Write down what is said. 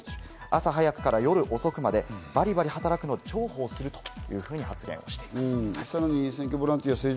朝早くから夜遅くまでバリバリ働くので重宝するというふうに発言しています。